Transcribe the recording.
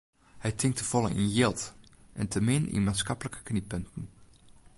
Hy tinkt te folle yn jild en te min yn maatskiplike knyppunten.